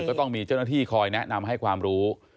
ก็ต้องมีเจ้าหน้าที่คอยแนะนำให้ความรู้